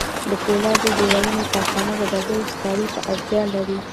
د پولاد جوړونې کارخانه د ډبرو سکارو ته اړتیا لري